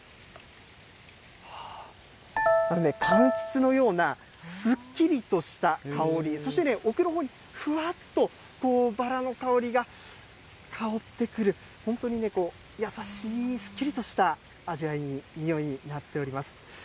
あのね、かんきつのような、すっきりとした香り、そして奥のほうに、ふわっと、バラの香りが香ってくる、本当に優しい、すっきりとした味わいに、匂いになっています。